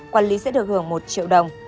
quản lý sẽ được hưởng một triệu đồng